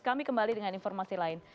kami kembali dengan informasi lain